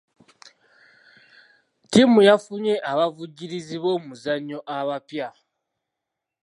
Ttiimu yafunye abavujjirizi b'omuzannyo abapya.